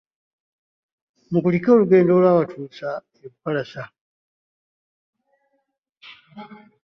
Mukulike olugendo olwabatuusa e Bukalasa.